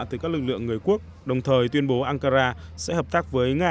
từ các lực lượng người quốc đồng thời tuyên bố ankara sẽ hợp tác với nga